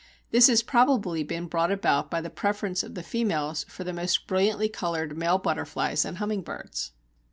This has probably been brought about by the preference of the females for the most brilliantly coloured male butterflies and humming birds.